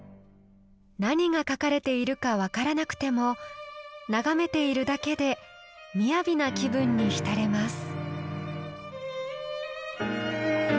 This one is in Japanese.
何が書かれているか分からなくても眺めているだけで雅な気分に浸れます。